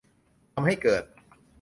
ทำให้เกิด